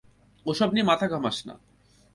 ওসব নিয়ে মাথা ঘামাস না।